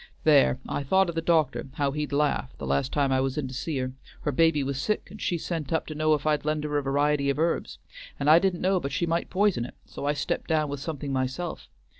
"There, I thought o' the doctor, how he'd laugh, the last time I was in to see her; her baby was sick, and she sent up to know if I'd lend her a variety of herbs, and I didn't know but she might p'isen it, so I stepped down with something myself.